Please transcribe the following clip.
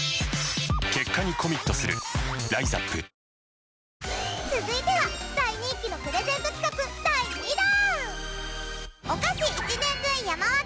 ニトリ続いては大人気のプレゼント企画第２弾！